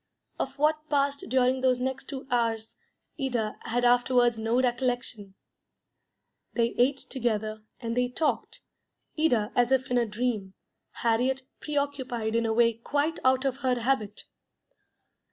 Of what passed during those next two hours Ida had afterwards no recollection. They ate together, and they talked, Ida as if in a dream, Harriet preoccupied in a way quite out of her habit.